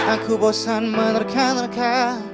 aku bosan menerka nerka